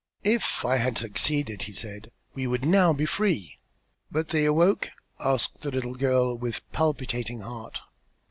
"If I had succeeded," he said, "we would now be free." "But they awoke?" asked the little girl with palpitating heart.